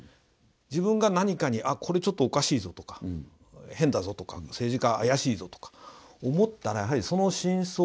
自分が何かに「これちょっとおかしいぞ」とか「変だぞ」とか「政治家怪しいぞ」とか思ったらやはりその真相